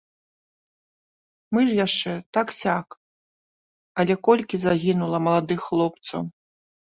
Мы ж яшчэ так-сяк, але колькі загінула маладых хлопцаў!